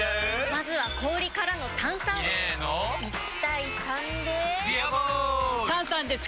まずは氷からの炭酸！入れの１：３で「ビアボール」！